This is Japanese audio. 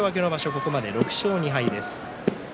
ここまで６勝２敗です。